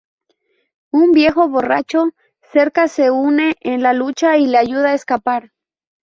Un viejo borracho cerca se une en la lucha y le ayuda a escapar.